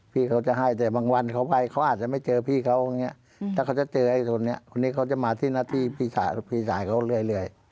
พี่เขาจะให้แต่บางวันเขาไปเขาอาจจะไม่เจอพี่เขาอย่างนี้ถ้าเขาจะเจอไอ้คนนี้คนนี้เขาจะมาที่หน้าที่พี่สายเขาเรื่อย